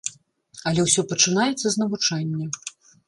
Але ўсё пачынаецца з навучання.